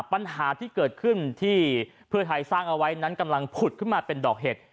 ปัญหาที่เกิดขึ้นที่เพื่อไทยสร้างเอาไว้นั้นกำลังผุดขึ้นมาเป็นดอกเห็ด